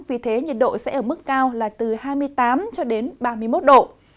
vì thế nhiệt độ sẽ ở mức cao là từ hai mươi tám ba mươi một độ